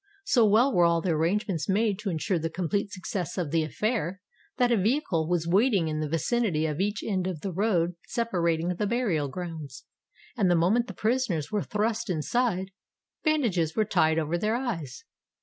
So well were all the arrangements made to ensure the complete success of the affair, that a vehicle was waiting in the vicinity of each end of the road separating the burial grounds; and the moment the prisoners were thrust inside, bandages were tied over their eyes.